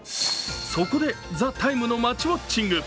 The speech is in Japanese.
そこで「ＴＨＥＴＩＭＥ，」の街ウォッチング。